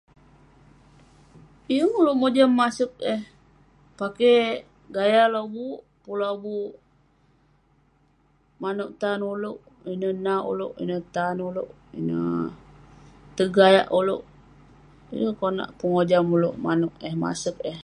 Yeng oluek mojam maksud eh pake gaya lobuk puk lobuk manouk tan oluek ineh nauk oleuk ineh tan oluek ineh tergayak oluek yeng konak pegojam oluek manouk eh, masek eh